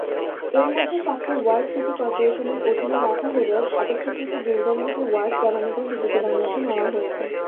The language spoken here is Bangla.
এর মধ্যে সাতটি ওয়ার্ড সিটি করপোরেশনের অধীনে রাখা হলেও অপেক্ষাকৃত দুর্গম দুটি ওয়ার্ড কেরানীগঞ্জ উপজেলার মধ্যে নেওয়া হয়েছে।